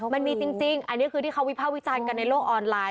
มันมีจริงอันนี้คือที่เขาวิภาควิจารณ์กันในโลกออนไลน